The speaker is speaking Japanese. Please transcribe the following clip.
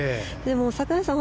櫻井さん